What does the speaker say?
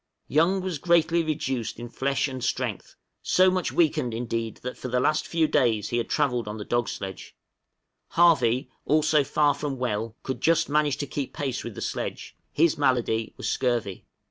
Young was greatly reduced in flesh and strength, so much weakened indeed that for the last few days he had travelled on the dog sledge; Harvey also far from well could just manage to keep pace with the sledge; his malady was scurvy.